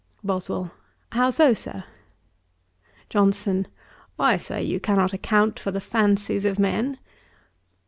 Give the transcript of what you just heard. BOSWELL. 'How so, Sir?' JOHNSON. 'Why, Sir, you cannot account for the fancies of men.